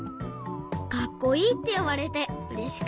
かっこいいっていわれてうれしかった。